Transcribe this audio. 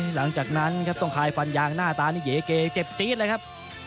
หลังจากนั้นครับต้องคายฟันยางหน้าตานี่เก๋เกเจ็บจี๊ดเลยครับ